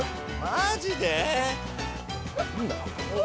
マジで？